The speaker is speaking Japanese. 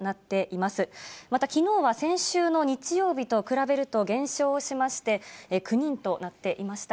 またきのうは、先週の日曜日と比べると減少しまして、９人となっていました。